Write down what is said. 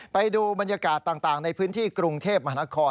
ไปดูบรรยากาศต่างในพื้นที่กรุงเทพมหานคร